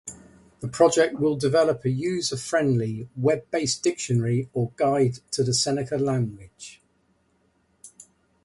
The project will develop a user-friendly, web-based dictionary or guide to the Seneca language.